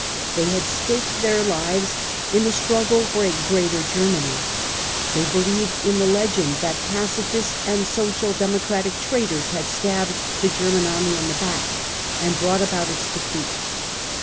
They had staked their lives in the struggle for a Greater Germany. They believed in the legenfl that pacifist and Social Democratic traitors had stabbed the German Army in t&e back and brought about its defeat.